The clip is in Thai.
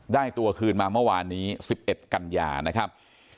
ตัวคืนมาเมื่อวานนี้๑๑กันยานะครับ